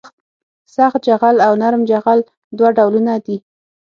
سخت جغل او نرم جغل دوه ډولونه دي